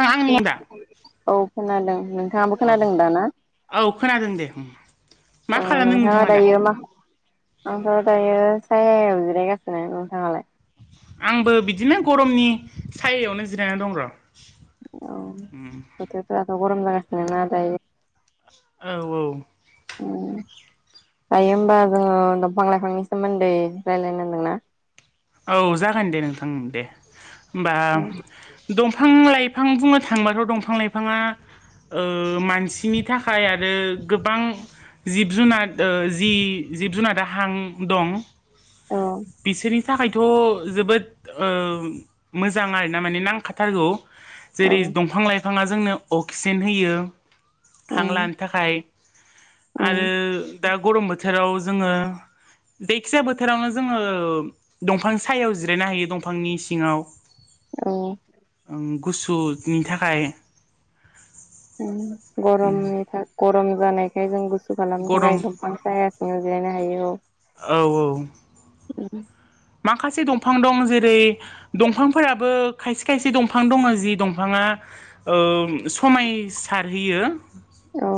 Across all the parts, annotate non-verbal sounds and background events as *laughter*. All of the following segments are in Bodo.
आ आंनिबा औ खोनादों नोंथाङाबो खोनादों दा ना औ खोनादों दे मा अ खालामदों नोंथाङा दा दायो मा आंथ दायो सायायाव जिरायगासिनो नोंथाङालाय आंबो बिदिनो गरमनि सायायावनो जिरायनानै दं र' उम जा गरम जागासिनोना दायो औ औ उम दायो होमबा जोङो दंफां लाइफांनि सोमोन्दै रायलायनो होनदोंना औ जागोन दे नोंथां ओं दे होमबा औ दं फां लाइफां बुंनो थांबाथ' दंफां लाइफाङा ओ मानसिनि थाखाय आरो गोबां जिब जुनाद ओ जि जिब जुनादा हां दं औ बिसोरनि थाखायथ' जोबोद ओ मोजां आरोना माने नांखाथारगौ जेरै दंफां लाइफाङा जोंनो अक्सिजेन होयो थां उम लानो थाखाय उम आरो दा गरम बोथोराव जोङो जायखिजाया बोथोरावनो जोङो दंफां सायायाव जिरायनो हायो दंफांनि सिङाव औ गुसुनि थाखाय उम गरमनि था गरम जानायखाय जों गुसु खालामनो गरम थाखाय दंफां साया सिङाव जिरायनो हायो औ औ औ उम माखासे दंफां दं जेरै दंफांफोराबो खायसे खायसे दंफां दङो जि दंफाङा ओ समायसारहैयो औ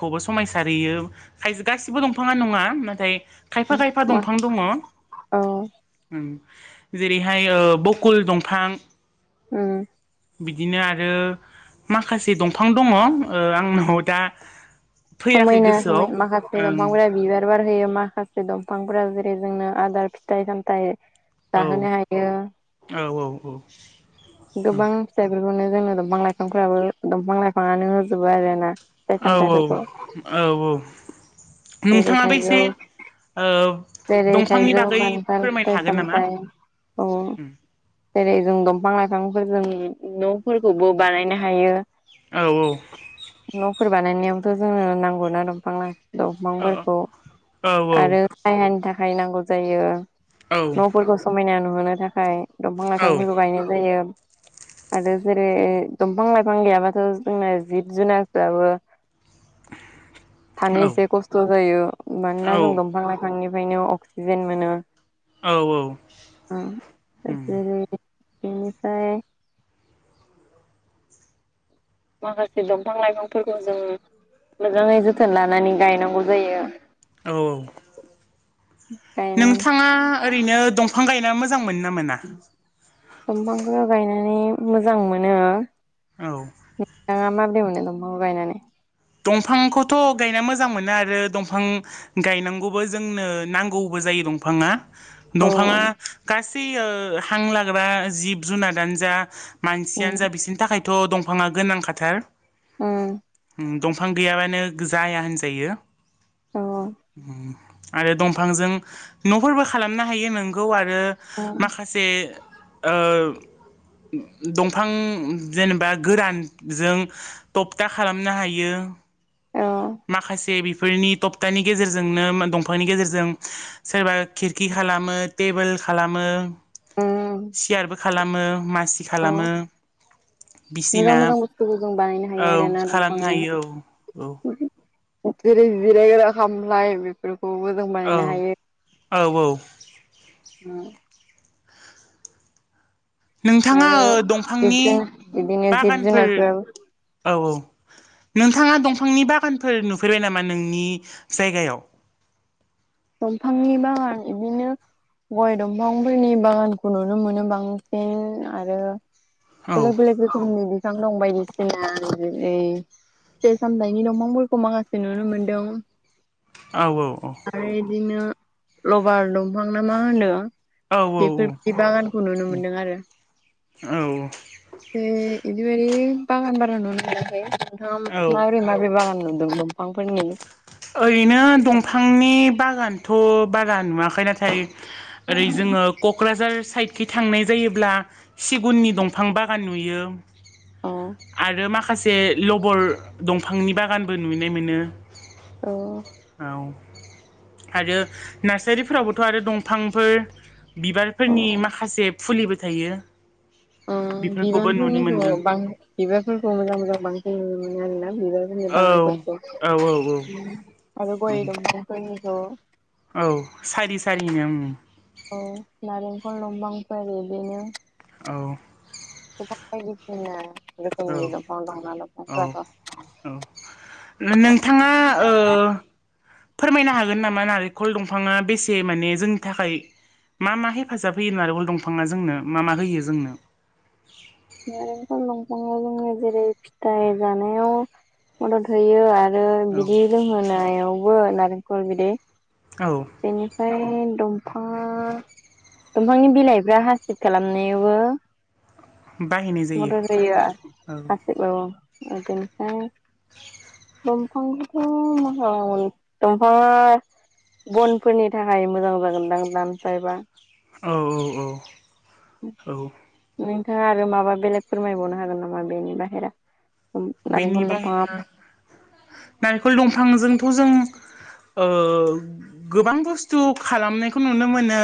खौबो समायसारहोयो खाय गासिबो दंफाङा नङा नाथाय खायफा खायफा मा दंफां दङ औ जेरैहाय बकुल दंफां उम बिदिनो आरो माखासे दंफां दंङो आंनाव दा फैयाखै समायना गोसोआव समाय माखासे दंफां गया बिबार बार होयो माखासे दंफांफोरा जेरै जोंनो आदार फिथाइ सामथाइ ओं जाहोनो हायो औ औ गोबां फिथाइ बेखौनो जों दंफां लाइफांफोराबो दंफां लाइफांनो होजोबो आरो ना फिथाइ औ सामथाइफोरखौ औ औ जेरै नोंथांङाबो एसे थाइजौ जेरै दंफांनि थाइजौ बागै खान्थाल फोरमायनो फिथाइ हागोन नामा? सामथाइ औ जेरै जों दंफां लाइफांफोरजों न'फोरखौबो बानायनो हायो औ- औ गुफोर बानायनायावथ' जोंनो नांगौ ना दंफां औ दंफांफोरखौ औ आरो सायहानि थाखाय नांगौ जायो न'फोरखौ समायना नुहोनो थाखाय दंफां- औ लाइफांफोरखौ गायनाय जायो आरो जेरै दंफां - लाइफां गैयाबाथ' जोंना जिब जुनारफ्राबो थानो एसे खस्थ' जायो मानोना जों दंफां लाइफांनि ओंखायनो अक्सिजेन मोनो औ -औ बिनिफ्राय माखासे दंफां लाइफांफोरखौ जों मोजांङै जोथोन लानानै गायनांगौ जायो औ गायनानै नोंथांङा ओरैनो दंफां गायना मोजां मोनो मोनोना मोनाया दंफांखौ गायनानै मोजां मोनो औ नोंथांङा माबोरदि मोनो दंफांखौ गायनानै दंफांखौथ' गायना मोजां मोनो आरो दंफां गायनांगौबो जोंनो नांगौबो दंफांङा औ दंफांङा गासै हां लाग्रा जिब जुनार दान जा उम मानसियानो जा बिसोरनि थाखायथ' दंफांङा गोनांखाथार होम दंफां गैयाबानो जाया होनजायो औ आरो दंफांजों न'फोरबो खालामनो हायो नंगौ आरो औ माखासे ओ दंफां जेनेबा गोरानजों थबथा खालाम नो हायो औ बेफोरनि थपथानि गेजेरजोंनो दंफांनि गेजेरजों सोरबा खिरखि खालामो टेबोल खालामो उम सियारबो मासि औ खालामो मोजां बिसिना मोजां बुस्थुखौ जों बानायनो हायो औ आरोना दंफांजों औ जेरै जिरायग्रा खामलाय बेफोरखौबो जों बानायनो हायो औ - औ *unintelligible* नोंथांङा आरो जिब दंफांनि जुनार बिदिनो जिब बागानफोर जुनारफोराबो औ - औ नोंथांङा दंफांनि बागानफोर नुफैबाय नामा नोंनि जायगायाव *inaudible* दंफांनि बागान बिदिनो गय दंफांफोरनि बागानखौ नुनो मोनो बांसिन आरो औ बेलेक बेलेक रोखोमनि बिफां दं बायदिसिना जि फिथाइ सामथाइनि दंफांफोरखौ माखासे नुनो मोनदों औ - औ - औ आरो बिदिनो लबार दंफां ना मा होनो औ बेफोर बादि बागानखौ नुनो मोनदों आरो औ बे बिदि बायदि बागान बारा नुनो मोनाखै नोंथां औ माबोरै माबोरै बागान नुदोंमोन? ओरैनो दंफांनि बागानथ' बारा नुवाखै नाथाय ओरै जोङो क'क्राझार साइदखै थांनाय जायो फैयोब्ला सिगुननि दंफां बागान नुयो अ आरो माखासे लबर दंफांनि बागानबो नुनाय मोनो औ औ आरो नार्सारिफोरावबोथ' आरो दंफांफोर बिबारफोरनि माखासे फुलिबो थायो बेफोरखौबो नुनो बिबारफोरनिखौ मोनदों बिबारफोरखौ मोजां मोजां बांसिन नुनो मोनो आरोना बिबारफोरनि औ औ औ औ बागानफोरफोरखौ आरो गय दंफांफोरनिखौ औ सारि सारिनो औ नारेंखल दंफांफोर बिदिनो औ *unintelligible* औ रोखोमनि दंफां दंना औ दंफांफोराथ' नोंथाङा फोरमायनो हागोन नामा नारेंखल दंफाङा बेसे माने जोंनि थाखाय मा मा हेफाजाब होयो नारिखल दंफाङा जोंनो मा मा होयो जोंनो? *inaudible* नारेंखल दंफाङाव जोंना जेरै फिथाइ जानायाव मदद होयो आरो आरो बिदि औ लोंहोनायावबो नारेंखल बिदै औ बेनिफ्राय दंफाङा दंफांनि बिलाइफ्रा हासिब खालामनायावबो बाहायनाय जायो मदद होयो औ हासिबाव बेनिफ्राय दंफांखौथ' मा *unintelligible* दंफांङा बनफोरनि थाखाय मोजां जागोनदां दानफायबा औ औ औ औ नोंथाङा आरो माबा बेलेग फोरमायबावनो हागोन नामा बेनि बाहेरा बेनि नारेंखल दंफाङा बाहेरा नारिखल दंफांजोंथ' जों गोबां बुस्थु खालामनायखौ नुनो मोनो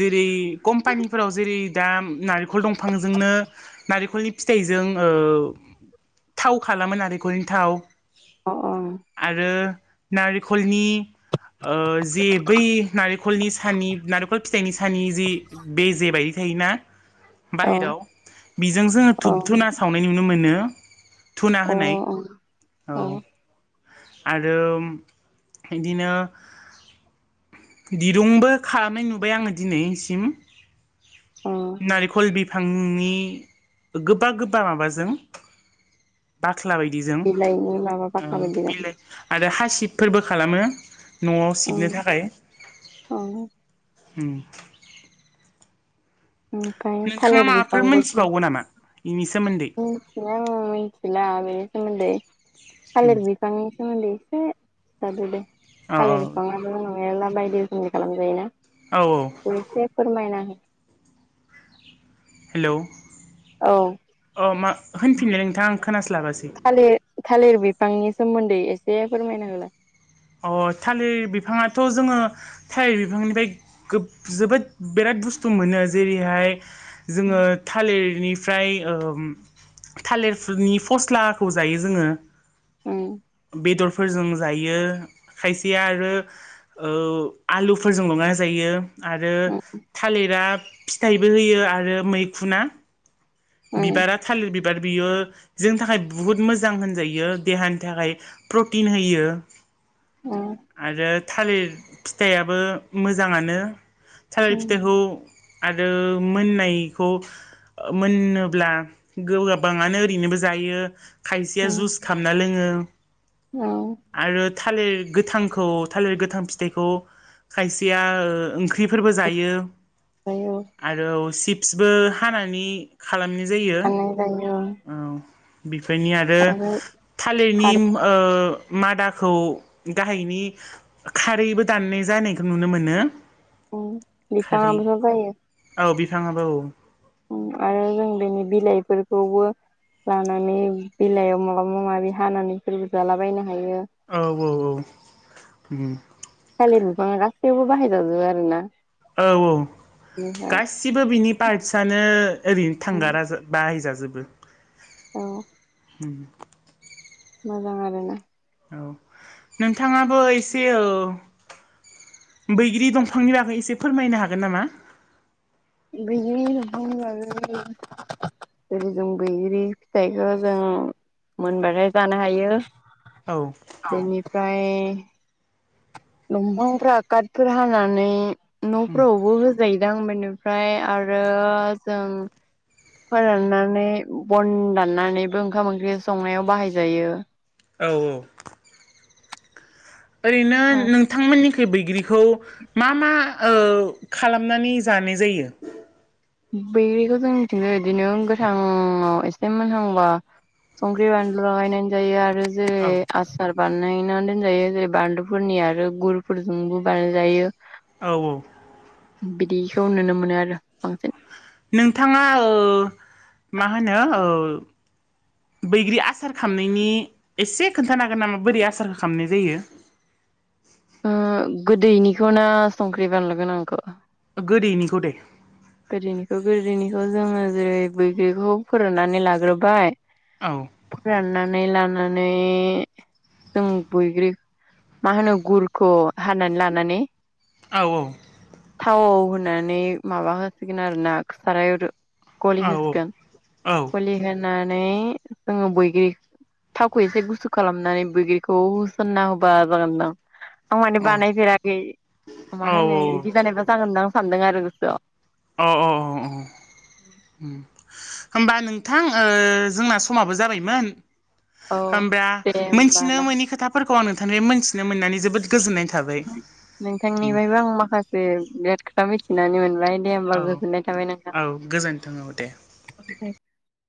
जेरै कम्पानिफोराव जेरै दा नारिखल दंफांजोंनो नारिखलनि फिथाइ जों थाव खालामोन नारिखलनि थाव अ अ नारिखलनि जे बै नारेंखलनि सानि नारेंखल फिथाइनि सानि जि बेजेबाय थायोना अ औ बाहेराव बेजों जोङो धुुब धुना सावनाय नुनो मोनो धुना औ होनाय अ औ अ आरो बिदिनो दिरुंबो खालामनाय नुबाय आङो दिनैसिम अ नारिखल बि फांनि गोबा गोबा माबाजों बा ख्ला बायदि जों बिलाइनि माबा बाख्ला बायदि दं बिलाइ आरो हासिबफोरबो खालामो न'आव सिबनो थाखाय औ उम ओमफ्राय नोंथाङा थालिर माबाफोर बिफांखौ मोनथिबावगौ नामा इनि मिथिनाया मिथिला आं बेनि सोमोन्दै थालिर बिफांनि सोमोन्दै एसे खिथादो दे औ थालिर बिफाङाबो मेरला बायदिसिना खालामजायोना औ औ एसे फोरमायना हो हेलौ औ अ मा होनफिनलाय नोंथां आं खोनास्लाबासै थालिर थालिर बिफांनि सोमोन्दै एसे फोरमायना होलाय अ थालिर बिफाङाथ' जोङो थालिर बिफांनिफ्राय जोबोद बिराद बसथु मोनो जेरैहाय जोङो थालिरनि ओमफ्राय थालिरनि फस्लाखौ जायो जोङो बेदरफोरजों जायो। खायसेया आरो आलुफोरजों लगायना जायो आरो थालिरा फिथाइबो होयो आरो मैखुना बिबारा थालिर बि एबार बियो जोंनि थाखाय बुहुत मोजां होनजायो देहानि थाखाय प्रटिन होयो। आरो थालिर फिथाइयाबो मोजाङानो थालिर फिथाइखौ आरो मोननायखौ मोन होनब्ला गोाबाङानो ओरैनोबो जायो। खायसेया जुस खालामामना लोङो आरो थालिर गोथां थालिर गोथां फिथाइखौ खायसेया ओ ओख्रिफोरबो जायो फाननाय जायो आरो सिप्सबो हानानै खालामनाय जायो आरो औ बेफोरनि आरो थालिरनि खारै मादाखौ गाहायनि खारैबो दाननाय जानायखौ नुनो मोनो। *inaudible* खारै जायो औ बिफाङाबो औ आरो जों बेनि बिलाइफोरखौबो लानानै बिलाइयाव माबा माबि हानानै लोगोजालाबायना औ औ औ थालिर बिथांङा गासिबावबो बाहाय थाजोबो आरो ना। औ औ गाससिबो बिनि पार्टसनो ओरैनो थांगारा बाहायजाजोबो औ उम मजां आरोना औ नोंथाङाबो एसे औ बैग्रि दंफांनि बागै एसे फोरमायनो हागोन नामा? *unintelligible* जेरै जों बैग्रि फिथाइखौ जों मोनबथायथाय जानो हायो औ बेनिफ्राय दंफांफ्रा काटफोर हानानै उम न'फोरावबो होजायोदां बेनिफ्राय आरो जों फोराननानै बन दाननानैबो ओंखाम ओंख्रि संनायाव बाहायजायो। औ औ ओरैनो नोंथांमोननि थे बैग्रिखौ मा मा खालामनानै जानाय जायो? बैग्रिखौ जों मिथिंगं बिदिनो गोथांङाव एसे मोनहांबा संख्रि बानलु लागायनानै जायो आरो जेरै औ आसार बानायनानै दोनजायो जेरै बानलुफोरनि आरो गुरफोरजोंबो बानायजायो। औ औ बिदिखौ नुनो मोनो आरो बांसिन नोंथाङा मा होनो ओ बैग्रि आसार खामनायनि एसे खोन्थानो हागोन नामा बोरै आसारखौ खालामनाय जायो गोदैनिखौ ना संख्रि बानलु गोनांखौ गोदैनिखौ दे गोदोनिखौ गोदोनिखौ जोङो जेरै बैग्रिखौ फोराननानै लाग्रोबाय औ फोराननानै लानानै जों बैग्रि मा होनो गुरखौ हानानै लानानै औ औ थाव होनानै माबा होसिगोन आरो ना साराय गलि औ होसिगोन औ गलि होनानै जोङो बैगिरि थावखौ एसे गुसु खालामनानै बैग्रिखौ होसनना होबा जागोनदां आं माने औ बानायफेराखै मा होनो इदि बानायबा जागोन आं सानदों आरो गोसोआव औ औ औ होमबा नोंथां ओ जोंना समाबो जाबायमोन औ होनबा दे होमबा मोनथिनो ना मोनि खोथाफोरखौ आं फ्राय मोनथिनो मोननानै जोबोद गोजोननाय थाबाय नोंथांनिफ्रायबो आं माखासे ब्राथखोथा मिथिनानै मोनबाय दे होमबा औ गोजोननाय थाबाय नोंथां औ गोजोनथों औ दे